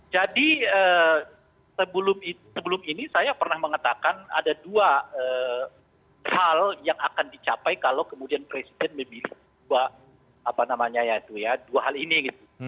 jadi sebelum ini saya pernah mengatakan ada dua hal yang akan dicapai kalau kemudian presiden memilih dua hal ini gitu